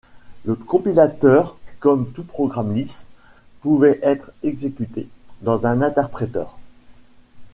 Le compilateur, comme tout programme Lisp, pouvait être exécuté dans un interpréteur.